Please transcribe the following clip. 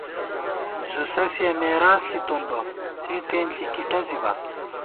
زُوسَسِیہ میراث ݪِتون بہ ، سے تېنݪی کی ٹزِبا